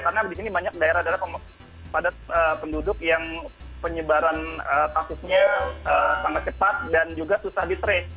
karena di sini banyak daerah daerah padat penduduk yang penyebaran kasusnya sangat cepat dan juga susah di trace